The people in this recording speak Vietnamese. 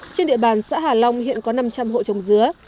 trên địa bàn xã hà long hiện có năm trăm linh hộ trồng dứa